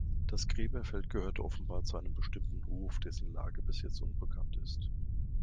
Das Gräberfeld gehörte offenbar zu einem bestimmten Hof, dessen Lage bis jetzt unbekannt ist.